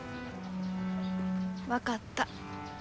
分かった。